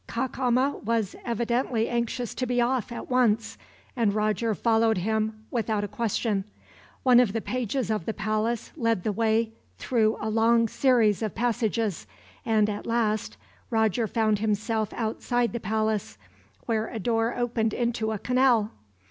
Cacama was evidently anxious to be off at once, and Roger followed him without a question. One of the pages of the palace led the way through a long series of passages, and at last Roger found himself outside the palace, where a door opened into a canal.